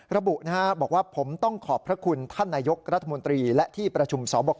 ระบุบอกว่าผมต้องขอบพระคุณท่านนายกรัฐมนตรีและที่ประชุมสบค